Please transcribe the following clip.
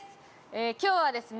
今日はですね